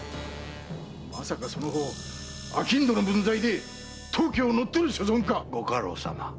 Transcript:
まさかその方商人の分際で当家を乗っ取る所存か⁉ご家老様。